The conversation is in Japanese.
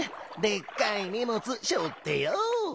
でっかいにもつしょってＹＯ。